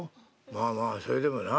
「まあまあそれでもな。